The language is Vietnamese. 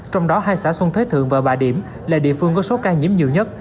trong đó hai xã xuân thới thượng và bà điểm là địa phương có số ca nhiễm nhiều nhất